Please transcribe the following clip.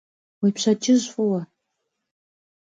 Vui pşedcıj f'oxhu!